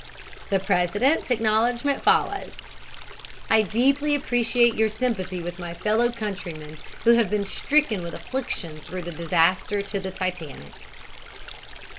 The President's acknowledgment follows: "I deeply appreciate your sympathy with my fellow countrymen who have been stricken with affliction through the disaster to the Titanic."